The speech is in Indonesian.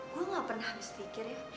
gue gak pernah habis pikir ya